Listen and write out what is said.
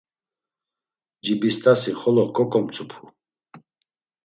Cibist̆asi xolo koǩomtzupu.